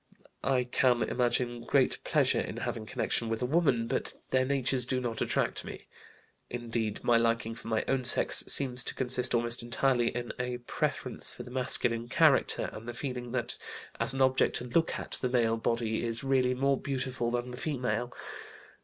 I can imagine great pleasure in having connection with a woman, but their natures do not attract me. Indeed, my liking for my own sex seems to consist almost entirely in a preference for the masculine character, and the feeling that as an object to look at the male body is really more beautiful than the female.